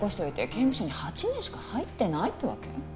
刑務所に８年しか入ってないってわけ？